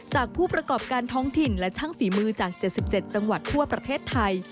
ผู้ประกอบการท้องถิ่นและช่างฝีมือจาก๗๗จังหวัดทั่วประเทศไทย